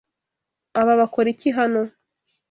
Aba bakora iki hano?